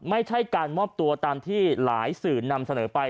ไม่ใช่การมอบตัวตามที่หลายสื่อนำเสนอไป